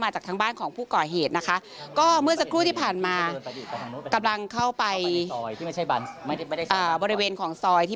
จริงหรือจะจริงอยู่นี่